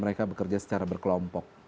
mereka bekerja secara berkelompok